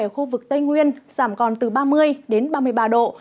ở khu vực tây nguyên giảm còn từ ba mươi đến ba mươi ba độ